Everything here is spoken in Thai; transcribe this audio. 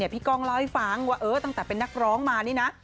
กล้องเล่าให้ฟังว่าตั้งแต่เป็นนักร้องมานี่นะ